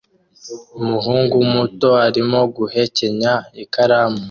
Umuhungu muto arimo guhekenya ikaramu